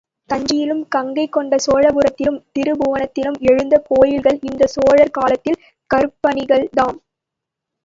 தஞ்சையிலும் கங்கை கொண்ட சோழபுரத்திலும் திரிபுவனத்திலும் எழுந்த கோயில்கள் இந்தச் சோழர் காலத்துக் கற்பணிகள்தாம்.